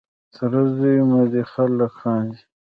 د تره زوی مو دی خلک خاندي.